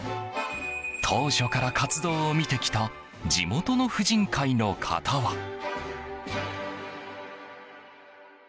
当初から活動を見てきた地元の婦人会の方は。